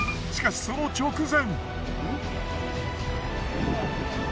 しかしその直前。